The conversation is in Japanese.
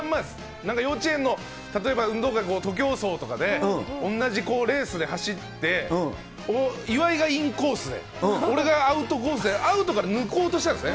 なんか幼稚園の、たとえば運動会、徒競走とかで、おんなじレースで走って、岩井がインコースで、俺がアウトコースで、アウトから抜こうとしたんですね。